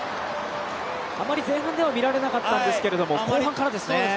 あまり前半では見られなかったんですけど後半からですね。